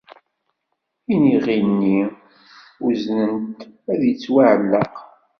Iniɣi-nni uznen-t ad yettwaɛelleq.